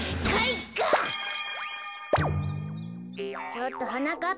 ちょっとはなかっ